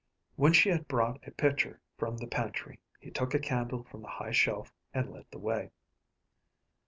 When she had brought a pitcher from the pantry, he took a candle from the high shelf and led the way.